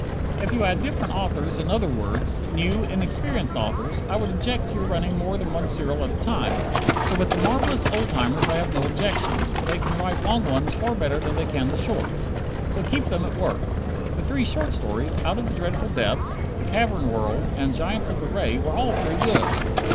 If you had different authors, in other words, new, inexperienced authors, I would object to your running more than one serial at a time, but with the marvelous old timers I have no objections, for they can write long ones far better than they can the shorts. So keep them at work. The three short stories, "Out of the Dreadful Depths," "The Cavern World" and "Giants of the Ray," were all very good.